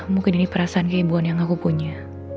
mungkin ini perasaan keibuan yang aku punya